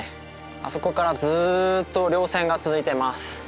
あそこからずっと稜線が続いてます。